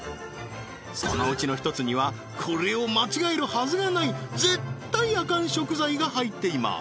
そのうちの１つにはこれを間違えるはずがない絶対アカン食材が入っています